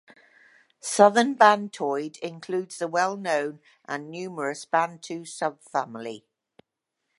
Southern Bantoid includes the well known and numerous Bantu subfamily.